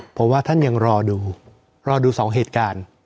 เพราะว่าท่านยังรอดูรอดูสองเหตุการณ์